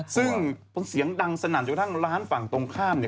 ซึ่งเสียงดังสนั่นจนกระทั่งร้านฝั่งตรงข้ามเนี่ย